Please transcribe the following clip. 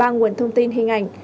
ba nguồn thông tin hình ảnh